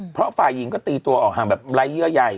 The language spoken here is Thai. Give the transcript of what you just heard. เพราะฝ่ายหญิงก็ตีตัวออกห่างแบบไร้เยื่อใหญ่